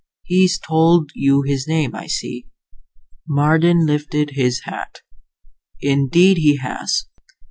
"He's told you his name, I see." Marden lifted his hat. "Indeed he has."